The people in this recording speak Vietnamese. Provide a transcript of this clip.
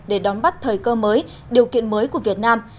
để đón bắt thời cơ mới điều kiện mới của việt nam